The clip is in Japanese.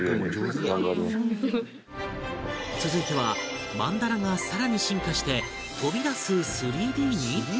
続いては曼荼羅がさらに進化して飛び出す ３Ｄ に！？